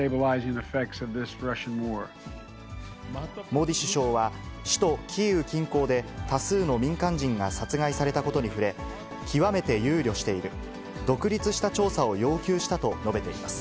モディ首相は、首都キーウ近郊で、多数の民間人が殺害されたことに触れ、極めて憂慮している、独立した調査を要求したと述べています。